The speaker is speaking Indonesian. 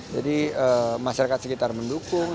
jadi masyarakat sekitar mendukung